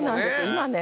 今ね